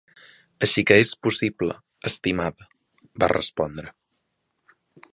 "Així que és possible, estimada", va respondre.